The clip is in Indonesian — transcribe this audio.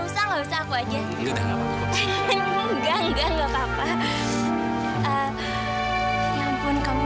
sampai jumpa di video selanjutnya